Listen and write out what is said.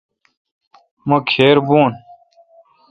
مہ کھیربؤون۔